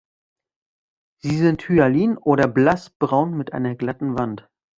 Sie sind hyalin oder blass braun mit einer glatten Wand.